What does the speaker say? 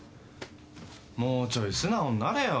もうちょい素直になれよ。